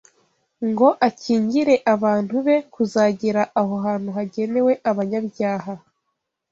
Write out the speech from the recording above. ngo akingire abantu be kuzagera aho hantu hagenewe abanyabyaha